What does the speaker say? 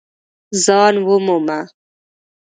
ځان ومومه !